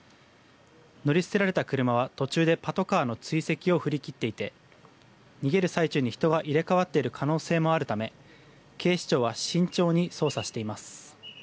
乗り捨てられた車は途中でパトカーの追跡を振り切っていて逃げる最中に人が入れ替わっている可能性もあるため警視庁は慎重に捜査しています。